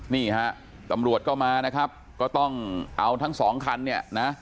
นี่ฮะตำรวจก็มานะครับก็ต้องเอาทั้งสองคันเนี่ยนะ